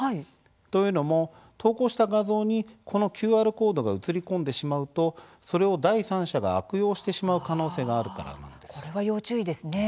というのも、投稿した画像にこのＱＲコードが写り込んでしまうとそれを第三者が悪用してしまうこれは要注意ですね。